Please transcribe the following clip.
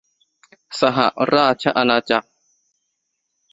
สหราชอาณาจักร